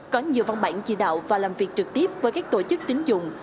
có nhiều văn bản chỉ đạo và làm việc trực tiếp với các tổ chức tín dụng